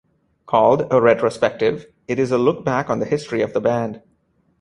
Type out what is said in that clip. Called "A Retrospective", it is a look back on the history of the band.